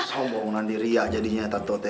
sombongan diri ya jadinya tatote